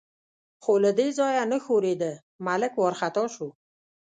خو له دې ځایه نه ښورېده، ملک وارخطا شو.